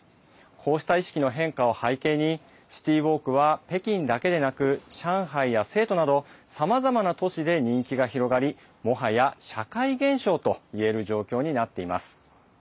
こうした意識の変化を背景にシティーウォークは北京だけでなく上海や成都などさまざまな都市で人気が広がりもはや社会現象といえる状況になっています。